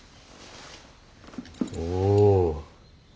おお。